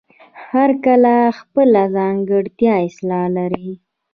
هر کلی خپله ځانګړې اصطلاح لري.